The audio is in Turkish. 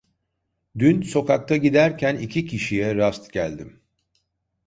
Dün sokakta giderken iki kişiye rast geldim.